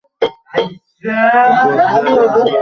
কোচবিহার রাজবাড়ি ইষ্টক-নির্মিত।